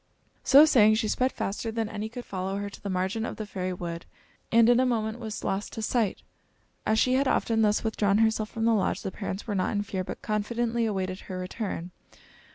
So saying, she sped faster than any could follow her to the margin of the fairy wood, and in a moment was lost to sight. As she had often thus withdrawn herself from the lodge, the parents were not in fear but confidently awaited her return.